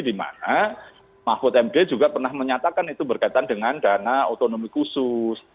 dimana mahfud md juga pernah menyatakan itu berkaitan dengan dana otonomi khusus